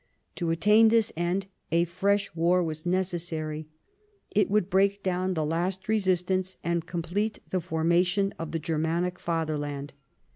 To attain this end a fresh war was necessary ; it would break down the last resistance and complete the formation of the Germanic Fatherland.